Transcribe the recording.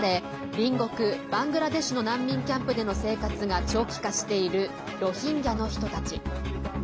隣国バングラデシュの難民キャンプでの生活が長期化しているロヒンギャの人たち。